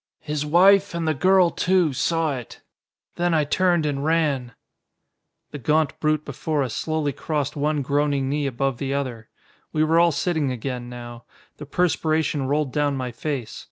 His wife, and the girl too, saw it. Then I turned and ran." The gaunt brute before us slowly crossed one groaning knee above the other. We were all sitting again now. The perspiration rolled down my face.